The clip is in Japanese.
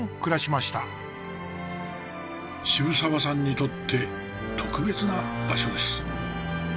渋沢さんにとって特別な場所です。